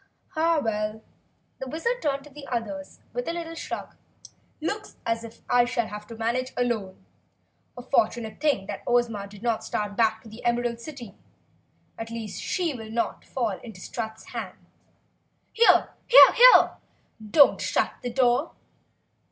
"Ha, well," the Wizard turned to the others with a little shrug. "Looks as if I shall have to manage alone. A fortunate thing Ozma did not start back to the Emerald City. At least she will not fall into Strut's hands. Here, HERE! Don't shut the door!"